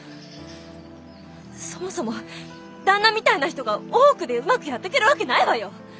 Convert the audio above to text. そもそも旦那みたいな人が大奥でうまくやってけるわけないわよ！